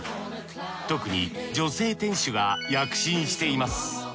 特に女性店主が躍進しています。